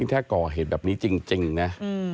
ถ้าก่อเหตุแบบนี้จริงนะ